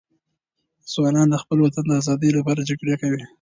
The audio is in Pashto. ځوانان د خپل وطن د آزادي لپاره جګړه کوي.